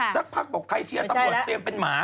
สักพักบอกใครเชียร์ตำรวจเตรียมเป็นหมา